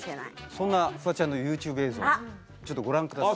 そんなフワちゃんのＹｏｕＴｕｂｅ映像ちょっとご覧ください。